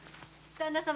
旦那様。